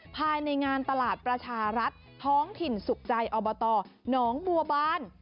ภายในงานตลาดประชารัฐท้องถิ่นสุขใจอบตหนองบัวบาน